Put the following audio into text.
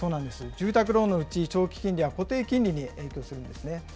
住宅ローンのうち長期金利は固定金利に影響するんですね。